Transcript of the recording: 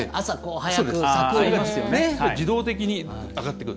自動的に上がってくる。